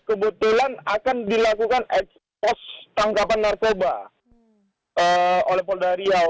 pertama di bulan akan dilakukan ekspos tangkapan narkoba oleh polda riau